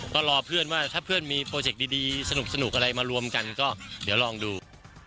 ก็รอเพื่อนว่าถ้าเพื่อนมีโปรเจคดีสนุกอะไรมารวมกันก็เดี๋ยวลองดู